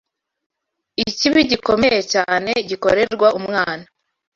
Ikibi gikomeye cyane gikorerwa umwana